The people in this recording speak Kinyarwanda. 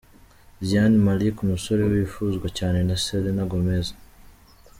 Zayn Malik umusore wifuzwa cyane na Selena Gomez.